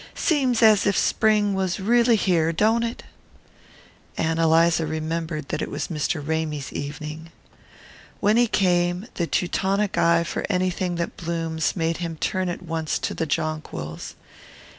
"Seems as if spring was really here, don't it?" Ann Eliza remembered that it was Mr. Ramy's evening. When he came, the Teutonic eye for anything that blooms made him turn at once to the jonquils.